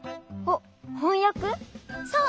そう。